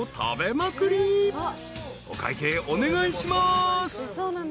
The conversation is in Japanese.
［お会計お願いします］